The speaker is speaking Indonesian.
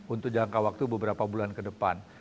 untuk jangka waktu beberapa bulan ke depan